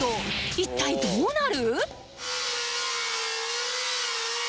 一体どうなる？